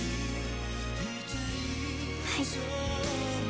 はい。